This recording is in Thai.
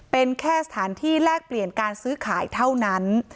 เป็นแค่สถานที่แลกเปลี่ยนการซื้อขายเท่านั้น